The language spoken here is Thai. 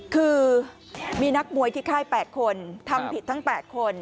คือมีนักมวยที่ค่าย๘คนทำผิดทั้ง๘คน